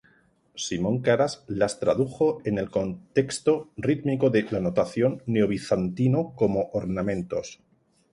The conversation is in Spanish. Simon Karas las tradujo en el contexto rítmico de notación neobizantino como ornamentos.